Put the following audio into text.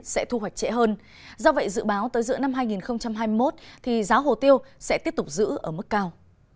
sẽ thu hoạch trễ hơn do vậy dự báo tới giữa năm hai nghìn hai mươi một thì giá hồ tiêu sẽ tiếp tục giữ ở mức cao